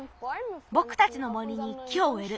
ぼくたちの森に木をうえる。